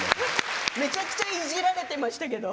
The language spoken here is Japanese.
めちゃくちゃいじられていましたけど。